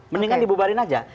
mendingan dibubarin aja